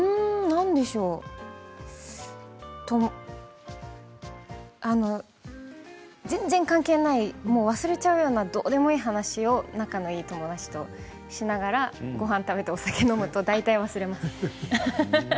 何でしょう全然関係ない忘れてしまうようなどうでもいい話を仲のいい友達としながらごはんを食べて、お酒を飲むと大体忘れてしまいます。